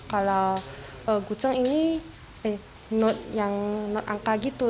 kalau kucheng ini not angka gitu